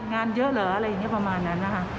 งานเยอะเหรออะไรอย่างนี้ประมาณนั้นนะคะ